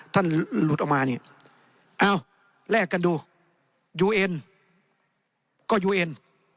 หลุดออกมาเนี่ยเอ้าแลกกันดูยูเอ็นก็ยูเอ็น